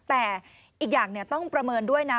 แต่อีกอย่างต้องประเมินด้วยนะ